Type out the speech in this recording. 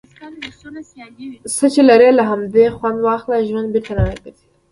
څۀ چې لرې، له همدې خؤند واخله. ژؤند بیرته نۀ را ګرځي.